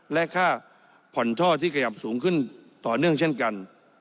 และค่าผ่อนท่อที่ขยับสูงขึ้นต่อเนื่องเช่นกัน